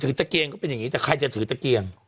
ตะเกียงก็เป็นอย่างนี้แต่ใครจะถือตะเกียง